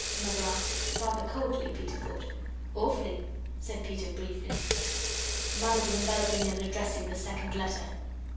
Mother asked, rather coldly, Peter thought. "Awfully," said Peter, briefly. Mother was enveloping and addressing the second letter.